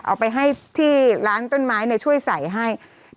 เอาไปให้ที่ร้านต้นไม้ช่วยใส่ให้